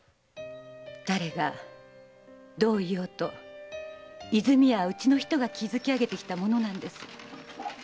誰がどう言おうと和泉屋はうちの人が築き上げてきたものなんです。